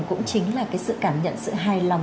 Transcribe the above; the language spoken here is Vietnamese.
cũng chính là sự cảm nhận sự hài lòng